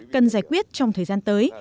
cần giải quyết trong thời gian tới